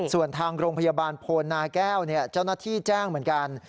ส่วนทางโรงพยาบาลโพนาแก้วเจ้าหน้าที่แจ้งเหมือนกัน